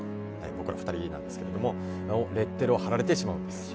この２人なんですけどもレッテルを貼られてしまうんです。